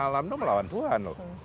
alam itu melawan tuhan